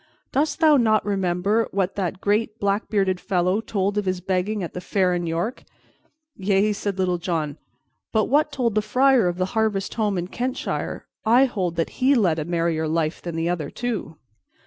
Dost thou not remember what that great black bearded fellow told of his begging at the fair in York?" "Yea," said Little John, "but what told the friar of the harvest home in Kentshire? I hold that he led a merrier life than the other two."